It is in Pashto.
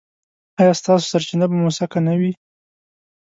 ایا ستاسو سرچینه به موثقه نه وي؟